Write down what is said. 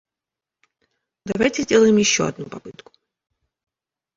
Давайте сделаем еще одну попытку!